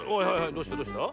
どうしたどうした？